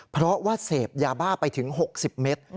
เพราะว่าเสพยาบ้าไปถึง๖๐เมตร